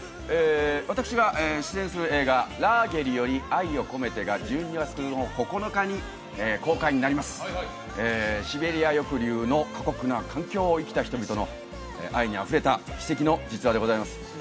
私が出演する映画「ラーゲリより愛を込めて」が１２月の９日に公開になりますシベリア抑留の過酷な環境を生きた人々の愛にあふれた奇跡の実話でございます